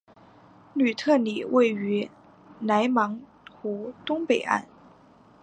吕特里位于莱芒湖东北岸。